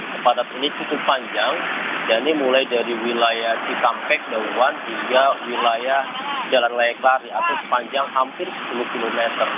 kepadatan ini cukup panjang mulai dari wilayah cikampek daewon hingga wilayah jalan leklar sepanjang hampir sepuluh km